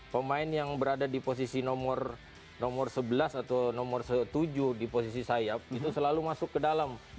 pemain yang berada di posisi nomor sebelas atau nomor tujuh di posisi sayap itu selalu masuk ke dalam